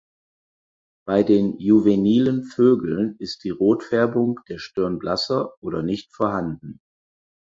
Bei den juvenilen Vögeln ist die Rotfärbung der Stirn blasser oder nicht vorhanden.